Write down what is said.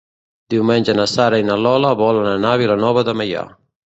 Diumenge na Sara i na Lola volen anar a Vilanova de Meià.